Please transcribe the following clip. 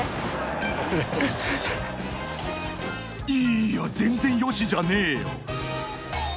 ［いや全然よしじゃねえよ］